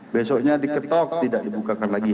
besoknya diketok tidak dibukakan lagi